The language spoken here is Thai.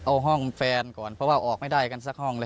เอาห้องแฟนก่อนเพราะว่าออกไม่ได้กันสักห้องเลย